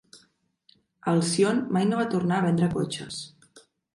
Alcyon mai no va tornar a vendre cotxes.